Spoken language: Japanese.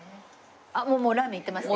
もうラーメンいってますね。